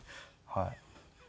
はい。